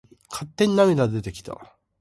勝手に涙が出てきた。